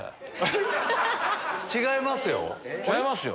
違いますよ。